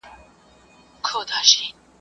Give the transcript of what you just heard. له جاپان تر اروپا مي تجارت دی .